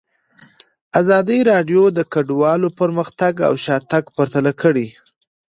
ازادي راډیو د کډوالو پرمختګ او شاتګ پرتله کړی.